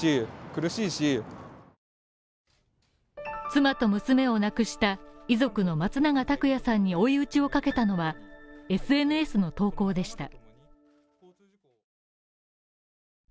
妻と娘を亡くした遺族の松永拓也さんに追い打ちをかけたのは、ＳＮＳの投稿でした。